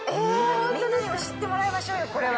みんなにも知ってもらいましょうよ、これは。